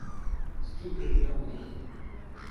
Стиль уведомлений